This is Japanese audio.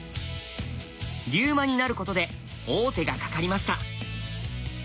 龍馬に成ることで王手がかかりました。